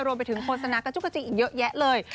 รวมไปถึงคนสนับกระจุกัจจิกอีกเยอะแยะเลย